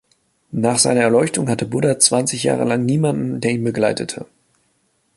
Nach seiner Erleuchtung hatte Buddha zwanzig Jahre lang niemanden, der ihn begleitete.